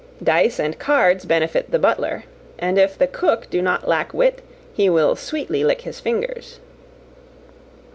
Dice and cards benefit the butler; and if the cook do not lack wit, he will sweetly lick his fingers."